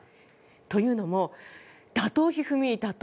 というのも、打倒一二三打倒